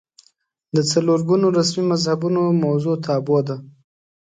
د څلور ګونو رسمي مذهبونو موضوع تابو ده